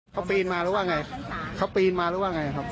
เขาปีนมาหรือว่าไงเขาปีนมาหรือว่าไงครับ